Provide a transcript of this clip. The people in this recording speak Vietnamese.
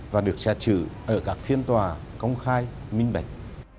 và được xét xử ở các phiên tòa công khai minh bạch